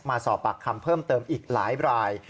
มาสอบปากคำเพิ่มเติมอีกหลายราย